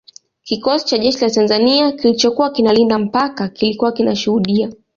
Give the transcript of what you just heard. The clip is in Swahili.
Kikosi cha jeshi la Tanzania kilichokuwa kinalinda mpaka kilikuwa kinashuhudia